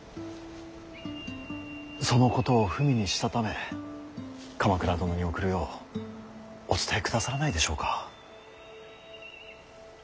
そのことを文にしたため鎌倉殿に送るようお伝えくださらないでしょうか。